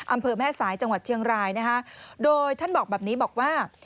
อำเภอแม่สายจังหวัดเชียงรายนะคะโดยท่านบอกแบบนี้บอกว่า